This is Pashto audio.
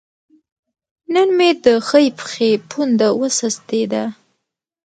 نن مې د ښۍ پښې پونده وسستې ده